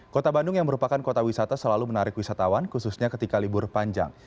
kota bandung yang merupakan kota wisata selalu menarik wisatawan khususnya ketika libur panjang